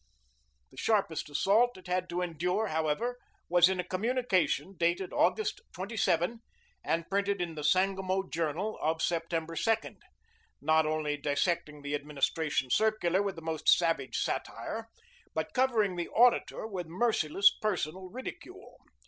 The sharpest assault it had to endure, however, was in a communication, dated August 27, and printed in the "Sangamo Journal" of September 2, not only dissecting the administration circular with the most savage satire, but covering the Auditor with merciless personal ridicule.